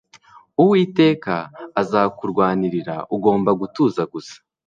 uwiteka azakurwanirira. ugomba gutuza gusa